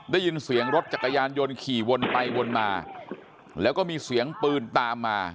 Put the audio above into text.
ได้ยินเสียงรถจักรยานยนต์ขี่วนไปวนมาแล้วก็มีเสียงปืนตามมา